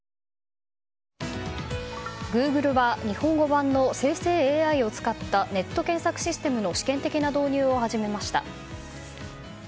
グーグルは日本語版の生成ＡＩを使ったネット検索システムの試験的な導入を始めました。